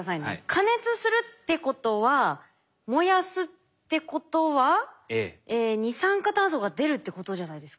加熱するってことは燃やすってことは二酸化炭素が出るってことじゃないですか？